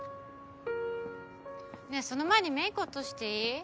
ねえその前にメイク落としていい？